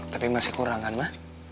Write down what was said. tapi masih kurang kan ma